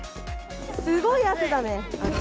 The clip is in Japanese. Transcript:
すごい汗だね。